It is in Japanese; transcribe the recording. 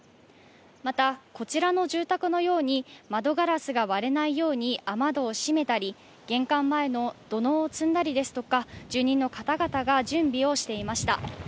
また、こちらの住宅のように窓ガラスが割れないように雨戸を閉めたり、玄関前の土のうを積んだりですとか、住人の方々が準備をしていました。